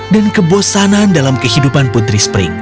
dan kebosanan dalam kehidupan putri spring